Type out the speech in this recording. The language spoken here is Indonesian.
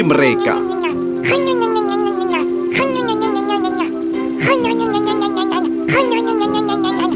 dan menggigitnya dengan gigi